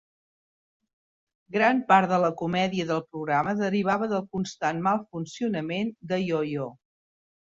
Gran part de la comèdia del programa derivava del constant mal funcionament de Yoyo.